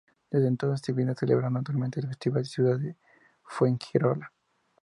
Desde entonces se viene celebrando anualmente el Festival Ciudad de Fuengirola.